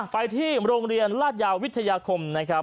ไปที่โรงเรียนราชยาววิทยาคมนะครับ